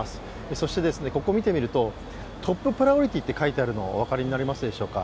そして、ここ見てみるとトッププライオリティーと書いてあるのが分かりますでしょうか。